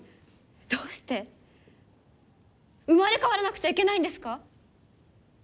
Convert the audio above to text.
どうして生まれ変わらなくちゃいけないんですか？